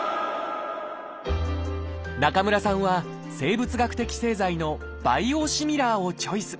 中村さんは生物学的製剤の「バイオシミラー」をチョイス。